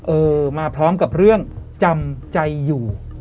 เออมาพร้อมกับเรื่องจำใจอยู่